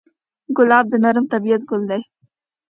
ګلاب د نرم طبعیت ګل دی.